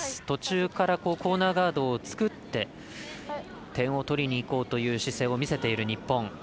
途中からコーナーガードを作って点を取りにいこうという姿勢を見せている日本。